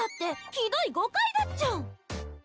ひどい誤解だっちゃ。